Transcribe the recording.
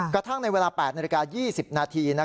กระทั่งในเวลา๘นาฬิกา๒๐นาที